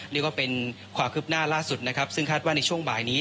นี่ก็เป็นความคืบหน้าล่าสุดนะครับซึ่งคาดว่าในช่วงบ่ายนี้